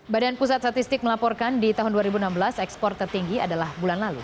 badan pusat statistik melaporkan di tahun dua ribu enam belas ekspor tertinggi adalah bulan lalu